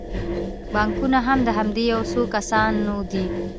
بانکونه هم د همدې یو څو کسانو دي